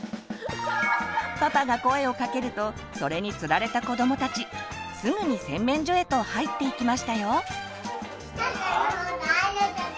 パパが声をかけるとそれに釣られた子どもたちすぐに洗面所へと入っていきましたよ。